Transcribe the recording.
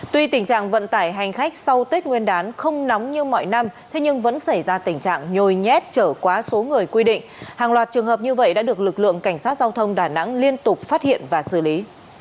tuy tình trạng vận tải hành khách sau tết nguyên đán không nóng như mọi năm thế nhưng vẫn xảy ra tình trạng nhồi nhét chở quá số người quy định hàng loạt trường hợp như vậy đã được lực lượng cảnh sát giao thông đà nẵng liên tục phát hiện và xử lý